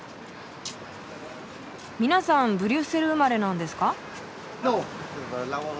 皆さんブリュッセル生まれなんですか？